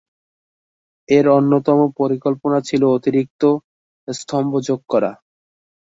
এর অন্যতম পরিকল্পনা ছিল অতিরিক্ত স্তম্ভ যোগ করা।